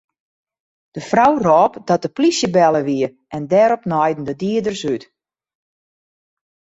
De frou rôp dat de polysje belle wie en dêrop naaiden de dieders út.